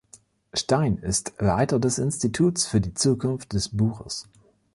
Stein ist Leiter des Instituts für die Zukunft des Buches.